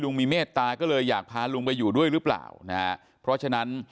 มีเมตตาก็เลยอยากพาลุงไปอยู่ด้วยหรือเปล่านะฮะเพราะฉะนั้น